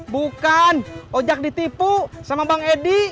bukan ojak ditipu sama bang edi